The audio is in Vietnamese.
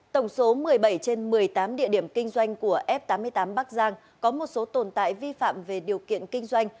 tổng số một mươi bảy trên một mươi tám địa điểm kinh doanh của f tám mươi tám bắc giang có một số tồn tại vi phạm về điều kiện kinh doanh